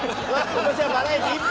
今年はバラエティ１本。